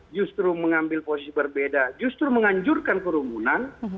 justru mengambil posisi berbeda justru menganjurkan kerumunan